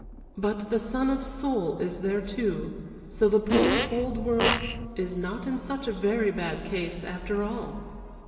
But the Sun of the Soul is there, too, so the poor old world is not in such a very bad case after all.